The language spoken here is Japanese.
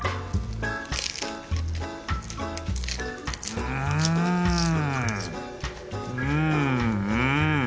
うんうんうん。